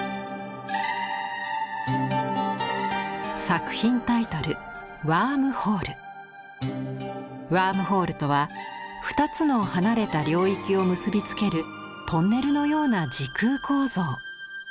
作品タイトルＷＯＲＭＨＯＬＥとは「２つの離れた領域を結び付けるトンネルのような時空構造」。